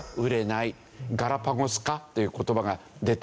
ガラパゴス化という言葉が出て。